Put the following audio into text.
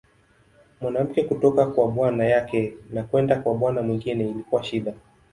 Mwanamke kutoka kwa bwana yake na kwenda kwa bwana mwingine ilikuwa shida.